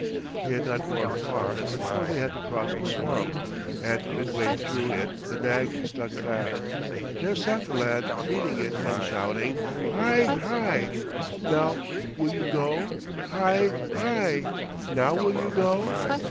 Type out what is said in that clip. They had not gone far before they had to cross a swamp, and midway through it the nag stuck fast. There sat the lad, beating it and shouting, "Hie! Hie! Now will you go? Hie! Hie! Now will you go?"